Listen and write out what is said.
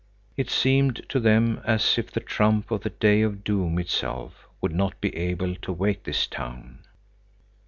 It seemed to them as if the trump of the Day of Doom itself would not be able to wake this town.